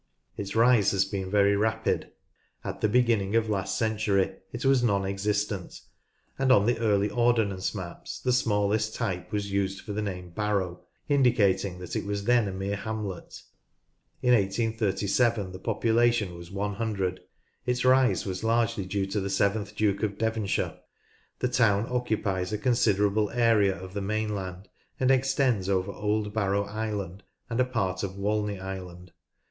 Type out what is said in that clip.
Its rise has been very rapid. At the beginning of last century it CHIEF TOWNS AND VILLAGES 161 was non existent, and on the early Ordnance maps the smallest type was used for the name Barrow," indicating that it was then a mere hamlet. In 1837 the population was 100. Its rise was largely due to the seventh Duke of Devonshire. The town occupies a considerable area of the mainland, and extends over Old Barrow Island and part of Walney Island.